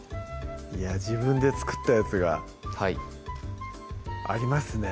自分で作ったやつがありますね